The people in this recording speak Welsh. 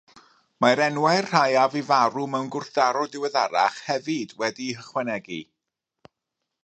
Mae enwau'r rhai a fu farw mewn gwrthdaro diweddarach hefyd wedi'u hychwanegu.